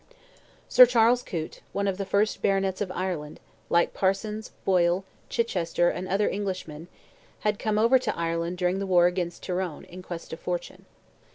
Sir Charles Coote, one of the first Baronets of Ireland, like Parsons, Boyle, Chichester, and other Englishmen, had come over to Ireland during the war against Tyrone, in quest of fortune.